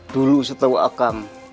dulu setahu akang